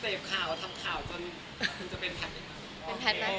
เตรียมข่าวทำข่าวจนจะเป็นแพทย์